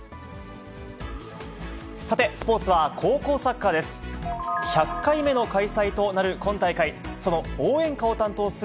さて、スポーツは高校サッカーです。